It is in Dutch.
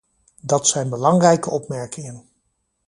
Dat zijn belangrijke opmerkingen.